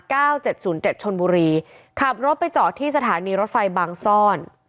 เจ็ดศูนย์เจ็ดชนบุรีขับรถไปจอดที่สถานีรถไฟบางซ่อน